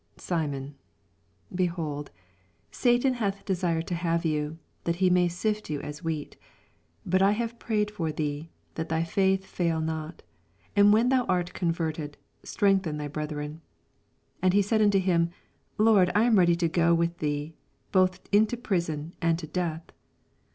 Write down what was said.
Simon, behold, Sa4:au hath deBired to have yon, that he may sift vou as wheat : 82 Bnt I have prayed for tiiee, that thy faith fiiil not ; and ^ hen 'hou art converted, strengthen tliy b. 3thren. 83 And he said unto hiw Lord, I am ready to go with tt ee, joih into prison, and to death.